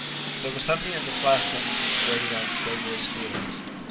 There was something in this last sentence which grated on Waverley's feelings.